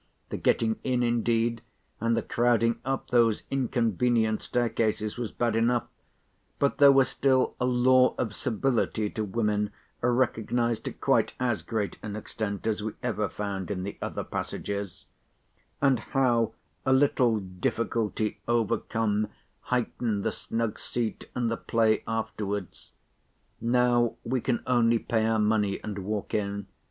The getting in indeed, and the crowding up those inconvenient staircases, was bad enough,—but there was still a law of civility to women recognised to quite as great an extent as we ever found in the other passages—and how a little difficulty overcome heightened the snug seat, and the play, afterwards! Now we can only pay our money, and walk in.